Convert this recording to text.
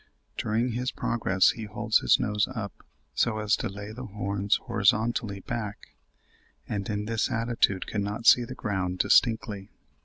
"During his progress he holds his nose up, so as to lay the horns horizontally back; and in this attitude cannot see the ground distinctly."